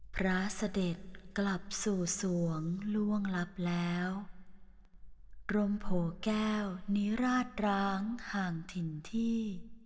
พระเสด็จกลับสู่สวงล่วงลับแล้วกรมโผแก้วนิราชร้างห่างถิ่นที่